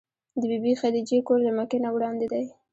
د بي بي خدېجې کور له مکې نه وړاندې دی.